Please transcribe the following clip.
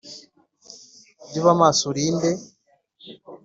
Jya uba maso urinde